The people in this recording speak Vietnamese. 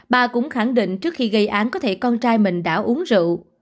bà cũng khẳng định trước khi gây án có thể con trai mình đã uống rượu